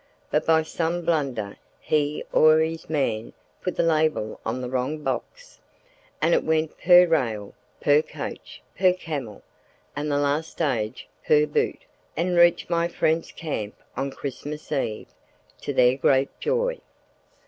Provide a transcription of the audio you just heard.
but by some blunder he or his man put the label on the wrong box, and it went per rail, per coach, per camel, and the last stage per boot, and reached my friends' camp on Christmas Eve, to their great joy.